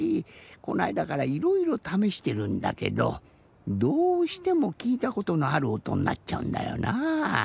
このあいだからいろいろためしてるんだけどどうしてもきいたことのあるおとになっちゃうんだよなぁ。